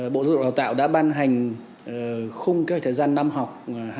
bộ dục đào tạo đã ban hành khung kế hoạch thời gian năm học hai nghìn hai mươi hai nghìn hai mươi một